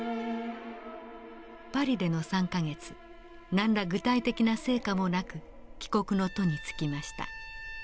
パリでの３か月何ら具体的な成果もなく帰国の途につきました。